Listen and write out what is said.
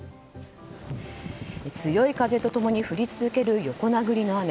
強い風と共に降り続ける横殴りの雨。